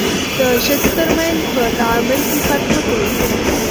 د ښځو ترمنځ په تعامل کې فرق مه کوئ.